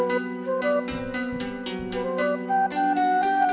untuk meng kitchen